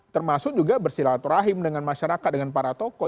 termasuk juga bersilaturahim dengan masyarakat dengan para tokoh